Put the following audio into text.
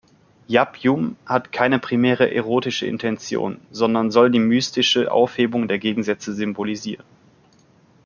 Yab-Yum hat keine primäre erotische Intention, sondern soll die mystische Aufhebung der Gegensätze symbolisieren.